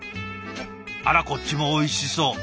あらこっちもおいしそう。